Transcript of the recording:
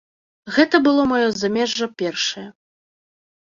Гэта было маё замежжа першае.